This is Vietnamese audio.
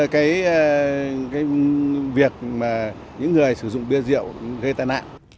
cái việc mà những người sử dụng bia rượu gây tai nạn